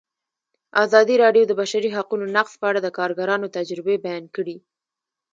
ازادي راډیو د د بشري حقونو نقض په اړه د کارګرانو تجربې بیان کړي.